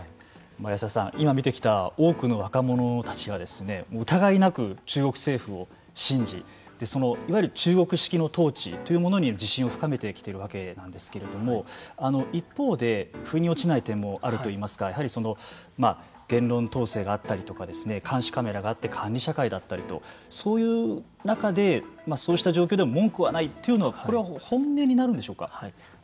安田さん、今見てきた多くの若者たちが疑いなく中国政府を信じいわゆる中国式の統治というものに自信を深めてきているわけなんですけれども一方で、腑に落ちない点もあるといいますか言論統制があったりとか監視カメラがあって管理社会だったりとそういう中でそうした状況でも文句はないというのはこれは本音になるんでしょうか。